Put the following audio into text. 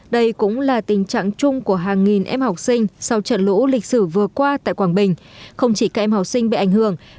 đây cũng là tình trạng chung của hàng nghìn em học sinh sau trận lũ lịch sử vừa qua tại quảng bình không chỉ các em học sinh bị ảnh hưởng